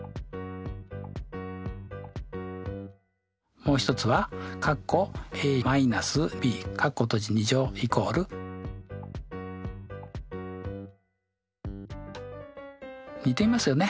もう一つは似ていますよね。